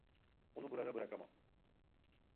Onu burada bırakamam.